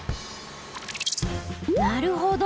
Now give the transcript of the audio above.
なるほど。